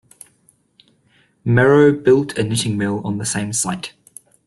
Merrow built a knitting mill on the same site.